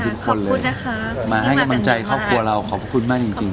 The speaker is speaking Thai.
ขอบคุณนะคะมาให้กำลังใจครอบครัวเราขอบคุณมากจริง